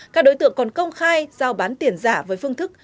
các đối tượng còn công khai giao bán tiền giả với phương thức